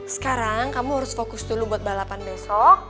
sekarang kamu harus fokus dulu buat balapan besok